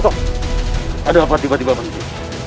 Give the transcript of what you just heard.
lihat siapa yang mengejar kita